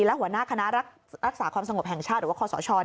และหัวหน้าคณะรักษาความสงบแห่งชาติหรือว่าคอสช